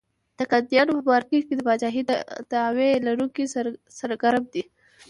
د کاندیدانو په مارکېټ کې د پاچاهۍ دعوی لرونکي سرګرم دي.